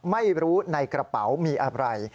ไม่รู้ในกระเป๋ามีอะไร